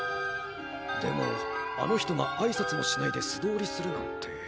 でもあの人があいさつもしないですどおりするなんて。